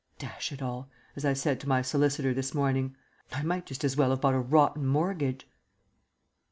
"Dash it all," as I said to my solicitor this morning, "I might just as well have bought a rotten mortgage."